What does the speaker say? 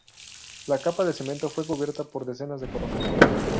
La capa de cemento fue cubierta por decenas de coronas.